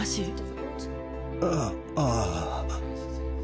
あ、ああ。